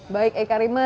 baik eka rima